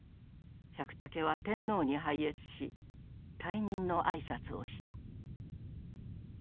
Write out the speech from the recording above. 百武は天皇に拝謁し退任の挨拶をした。